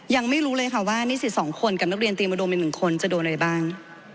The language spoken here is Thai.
ยังไม่รู้เลยค่ะว่านี่สิสองคนกับนักเรียนเตรียมอุดมเป็นหนึ่งคนจะโดนอะไรบ้าง